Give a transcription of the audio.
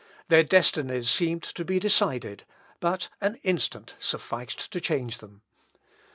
Their destinies seemed to be decided; but an instant sufficed to change them.